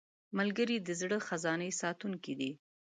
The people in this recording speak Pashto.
ملګری د زړه خزانې ساتونکی دی